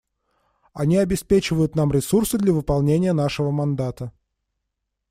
Они обеспечивают нам ресурсы для выполнения нашего мандата.